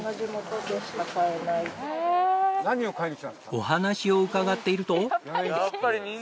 お話を伺っていると。